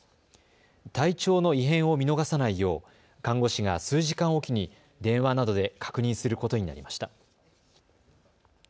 体調の異変を見逃さないよう看護師が数時間おきに電話などで確認することになりました。